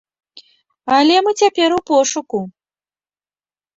Але мы цяпер у пошуку.